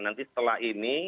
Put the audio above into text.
nanti setelah ini